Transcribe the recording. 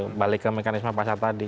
kembali ke mekanisme pasar tadi